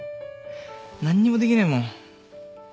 何にもできねえもん。